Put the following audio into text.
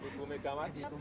pak komentar pak jokowi